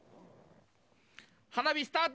花火、スタート！